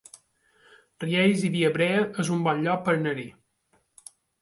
Riells i Viabrea es un bon lloc per anar-hi